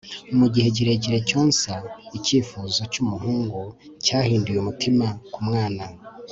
mu igihe kirekire cyonsa icyifuzo cyumuhungu cyahinduye umutima kumwana